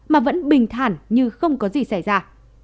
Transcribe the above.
mà vẫn bình thản như không có gì xảy ra